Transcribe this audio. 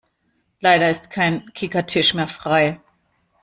Leider ist kein Kickertisch mehr frei.